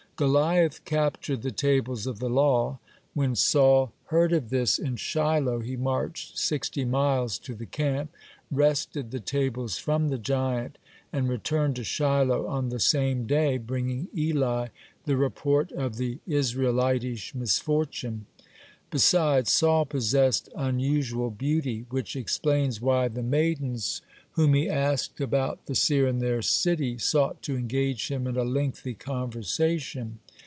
Goliath captured the tables of the law. When Saul heard of this in Shiloh, he marched sixty miles to the camp, wrested the tables from the giant, and returned to Shiloh on the same day, bringing Eli the report of the Israelitish misfortune. (48) Besides, Saul possessed unusual beauty, (49) which explains why the maidens whom he asked about the seer in their city sought to engage him in a lengthy conversation.